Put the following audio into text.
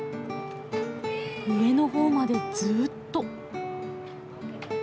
上の方までずっと。